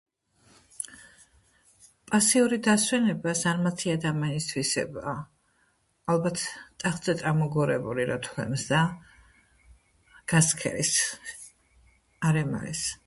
პასიური დასვენება ზარმაცი ადამიანის თვისებაა. ალბათ ტახტზე წამოგორებული რომ თვლემს და გასცქერის არემარეს.